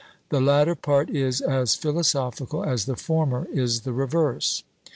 The latter part is as philosophical as the former is the reverse.